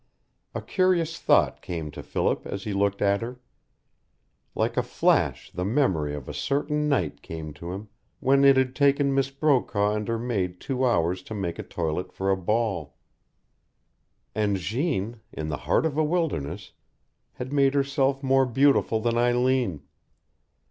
A curious thought came to Philip as he looked at her. Like a flash the memory of a certain night came to him when it had taken Miss Brokaw and her maid two hours to make a toilet for a ball. And Jeanne, in the heart of a wilderness, had made herself more beautiful than Eileen.